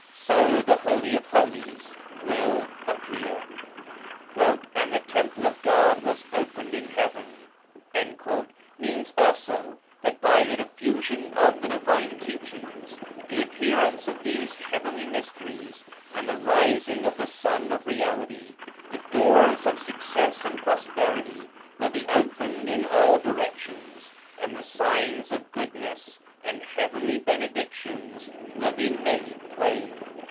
So the Holy of Holies will appear. 'And the temple of God was opened in heaven/ means also that by the diffusion of the divine teach ings, the appearance of these heavenly mysteries, and the rising of the Sun of Reality, the doors of success and prosperity will be opened in all directions, and the signs of goodness and heavenly benedictions will be made plain.